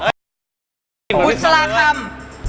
กุศลาคำ